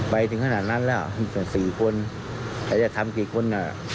ไปถึงขนาดนั้นแล้วมีสองสี่คนแต่จะทำกี่คนอ่ะ